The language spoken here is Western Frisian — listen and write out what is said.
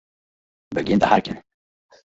Begjin te harkjen.